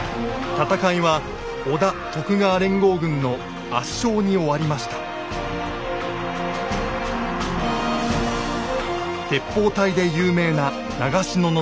戦いは織田・徳川連合軍の圧勝に終わりました鉄砲隊で有名な長篠の戦い。